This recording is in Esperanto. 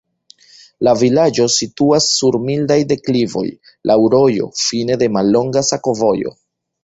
La vilaĝo situas sur mildaj deklivoj, laŭ rojo, fine de mallonga sakovojo.